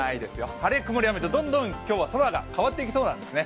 晴れ、曇り、雨と今日は空がどんどん変わっていきそうなんですね。